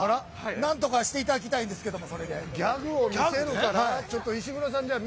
何とかしていただきたいんですけども、それで。